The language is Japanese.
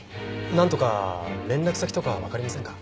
なんとか連絡先とかわかりませんか？